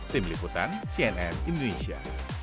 tim liputan cnn indonesia